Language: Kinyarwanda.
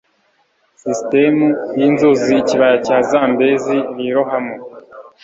sisitemu yinzuzi ikibaya cya zambezi lirohamo